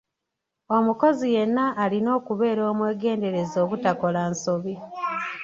Omukozi yenna alina okubeera omwegendereza obutakola nsobi.